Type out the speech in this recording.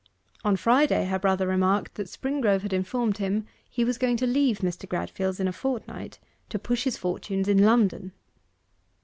On Friday her brother remarked that Springrove had informed him he was going to leave Mr. Gradfield's in a fortnight to push his fortunes in London.